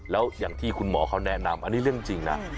แล้วอย่างที่คุณหมอเขาแนะนำอันนี้เรื่องจริงนะ